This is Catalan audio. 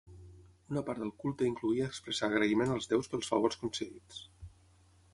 Una part del culte incloïa expressar agraïment als déus pels favors concedits.